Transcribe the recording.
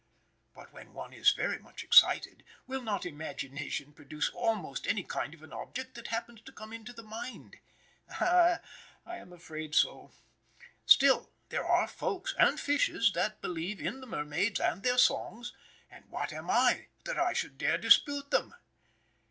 But when one is very much excited, will not imagination produce almost any kind of an object that happens to come into the mind? Ah, I am afraid so. Still, there are both Folks and fishes that believe in the mermaids and their songs, and what am I that I should dare dispute them!